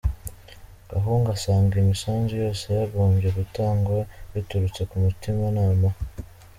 Gahungu asanga imisanzu yose yagombye gutangwa biturutse ku mutima nama.